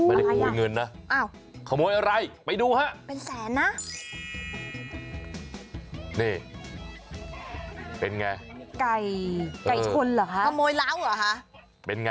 โอ้ยอะไรนะอ้าวไม่ได้ขโมยเงินนะ